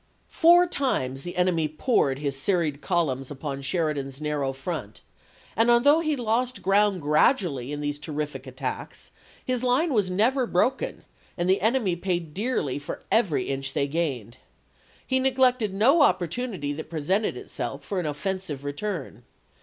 Four times the enemy poured his sen'ied columns upon Sheridan's narrow front, and although he lost ground gradually in these terrific attacks, his line was never broken and the enemy paid dearly for every inch they gained. He neglected no oppor tunity that presented itself for an offensive return.